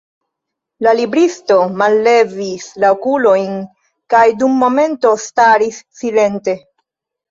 La libristo mallevis la okulojn kaj dum momento staris silente.